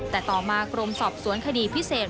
แต่ต่อมากรมสอบสวนคดีพิเศษ